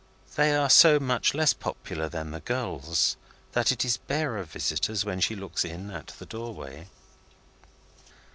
They are so much less popular than the girls that it is bare of visitors when she looks in at the doorway.